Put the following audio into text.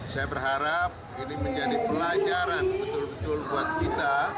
saya berharap ini menjadi pelajaran betul betul buat kita